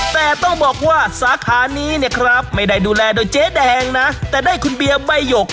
แต่ต้องบอกว่าสาขานี้เนี่ยครับไม่ได้ดูแลโดยเจ๊แดงนะแต่ได้คุณเบียร์ใบหยก